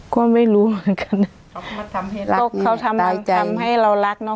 ก็ไม่รู้เหมือนกันเขาทำให้รักตกเขาทำให้เรารักเนอะ